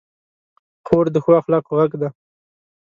خور د ښو اخلاقو غږ ده.